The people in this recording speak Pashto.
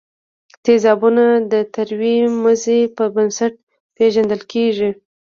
تیزابونه د تروې مزې په بنسټ پیژندل کیږي.